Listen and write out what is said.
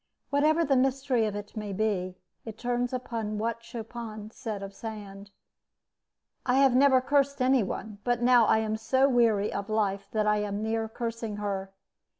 Whatever the mystery of it may be, it turns upon what Chopin said of Sand: "I have never cursed any one, but now I am so weary of life that I am near cursing her.